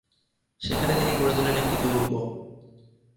সেখানে তিনি গড়ে তোলেন একটি দুর্গ।